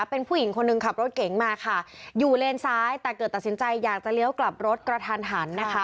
เป็นผู้หญิงคนหนึ่งขับรถเก๋งมาค่ะอยู่เลนซ้ายแต่เกิดตัดสินใจอยากจะเลี้ยวกลับรถกระทันหันนะคะ